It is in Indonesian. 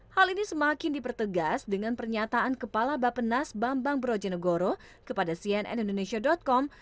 hal ini semakin dipertegas dengan pernyataan kepala bapenas bambang brojonegoro kepada cnn indonesia com